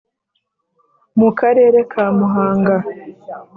Mu karere ka muhanga